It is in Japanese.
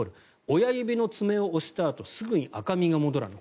親指の爪を押したあとすぐに赤みが戻らない。